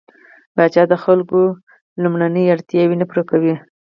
پاچا د خلکو لومړنۍ اړتياوې نه پوره کوي.